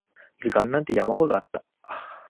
時間なんて山ほどあった